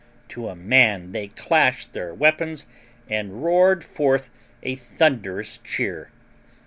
To a man they clashed their weapons and roared forth a thunderous cheer.